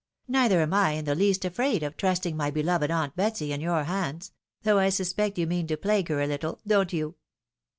Neither am I in the least afraid of trusting my beloved aunt Betsy in your hands — though I suspect you mean to plague her a little— don't you